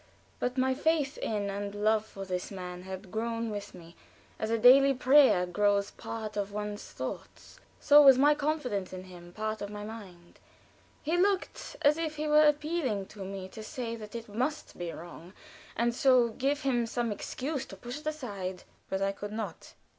But my faith in and love for this man had grown with me; as a daily prayer grows part of one's thoughts, so was my confidence in him part of my mind. He looked as if he were appealing to me to say that it must be wrong, and so give him some excuse to push it aside. But I could not.